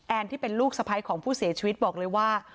ที่เป็นลูกสะพ้ายของผู้เสียชีวิตบอกเลยว่า